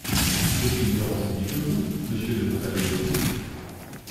Je suis mieux renseignée que vous, Monsieur de Montalivet!